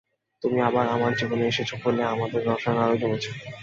তুমি আবার আমার জীবনে এসেছো বলে আমাদের রসায়ন আরও জমেছে।